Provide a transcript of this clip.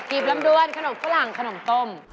บลำดวนขนมฝรั่งขนมต้ม